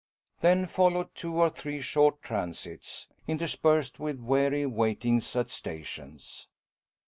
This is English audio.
Then followed two or three short transits, interspersed with weary waitings at stations.